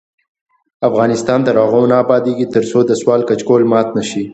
افغانستان تر هغو نه ابادیږي، ترڅو د سوال کچکول مات نشي.